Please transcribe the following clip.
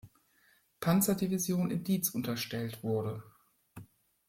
Panzerdivision in Diez unterstellt wurde.